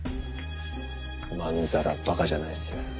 まんざら馬鹿じゃないですよ。